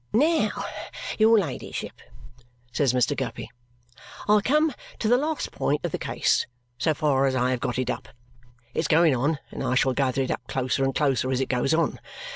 "Now, your ladyship," says Mr. Guppy, "I come to the last point of the case, so far as I have got it up. It's going on, and I shall gather it up closer and closer as it goes on.